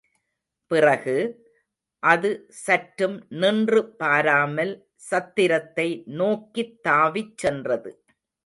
பிறகு, அது சற்றும் நின்று பாராமல் சத்திரத்தை நோக்கித் தாவிச்சென்றது.